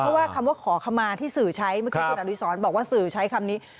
เพราะว่าคำว่าขอคำมาที่สื่อใช้เมื่อกี้คุณอดีศรบอกว่าสื่อใช้คำนี้